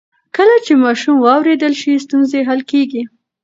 کله چې ماشوم واورېدل شي، ستونزې حل کېږي.